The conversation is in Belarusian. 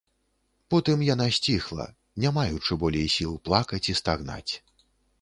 Потым яна сціхла, не маючы болей сіл плакаць і стагнаць.